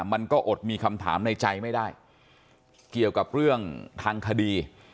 มันก็อดมีคำถามในใจไม่ได้เกี่ยวกับเรื่องทางคดี